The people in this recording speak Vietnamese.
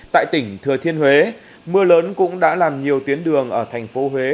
tại tỉnh thừa thiên huế mưa lớn cũng đã làm nhiều tuyến đường ở thành phố huế